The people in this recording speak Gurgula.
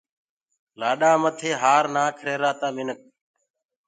گھوٽو مٿي هآر نآک هيرآ تآ منک